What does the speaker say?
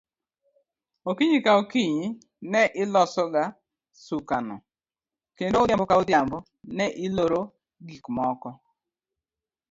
Okinyi ka okinyi ne ilosoga sukano, kendo odhiambo ka odhiambo ne iloroe gik moko.